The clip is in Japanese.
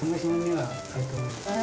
はい。